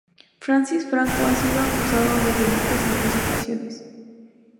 Francis Franco ha sido acusado de delitos en tres ocasiones.